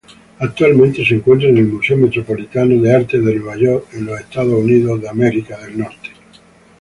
Actualmente se encuentra en el Museo Metropolitano de Arte de Nueva York, Estados Unidos.